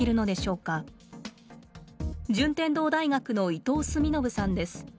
順天堂大学の伊藤澄信さんです。